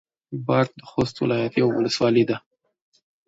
باک د خوست ولايت يوه ولسوالي ده.